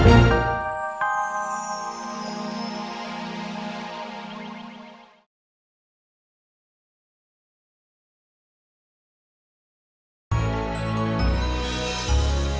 dia itu sebagai satu tahun lagi